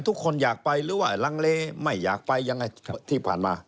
ทุกคนอยากไปหรือว่าลังเลไม่อยากไปยังไงที่ผ่านมา